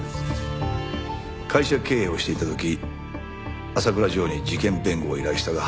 会社経営をしていた時浅倉譲に事件弁護を依頼したが敗訴。